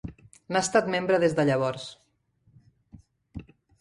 N'ha estat membre des de llavors.